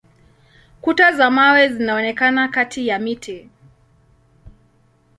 Kuta za mawe zinaonekana kati ya miti.